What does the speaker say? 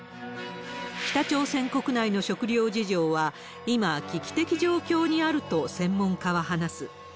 北朝鮮国内の食糧事情は今、危機的状況にあると専門家は話す。